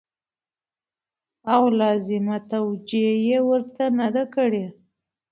او لازمه توجع يې ورته نه ده کړې